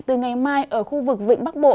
từ ngày mai ở khu vực vịnh bắc bộ